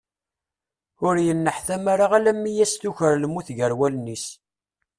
Ur yenneḥtam ara alammi i as-tuker lmut gar wallen-is.